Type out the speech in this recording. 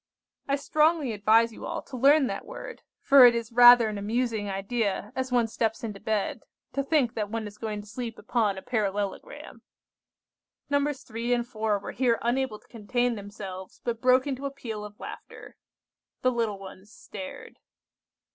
I strongly advise you all to learn that word, for it is rather an amusing idea as one steps into bed, to think that one is going to sleep upon a parallelogram." Nos. 3 and 4 were here unable to contain themselves, but broke into a peal of laughter. The little ones stared.